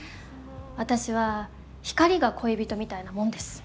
私は光が恋人みたいなもんです。